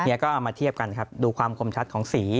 เฮียก็เอามาเทียบกันดูความคมชัดของสี